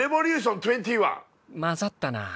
混ざったなあ。